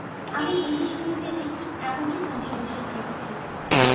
আমি ব্রিটিশ মিউজিয়ামে ঠিক এমনই ধ্বংসাবশেষ দেখেছি।